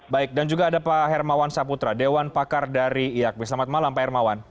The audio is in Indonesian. baik dan juga ada pak hermawan saputra dewan pakar dari iakb selamat malam pak hermawan